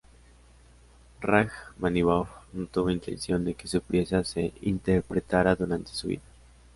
Rajmáninov no tuvo intención de que su pieza se interpretara durante su vida.